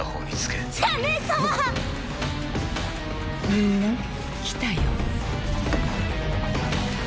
みんな来たよ。